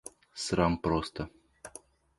Срам просто!